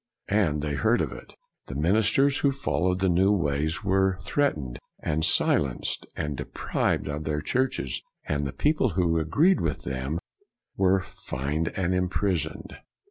And they heard of it. The min isters who followed the new ways were threatened, and silenced and deprived of their churches, and the people who agreed with them were fined and imprisoned.